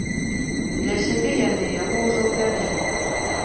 Для сябе яны яго ўжо ўвялі.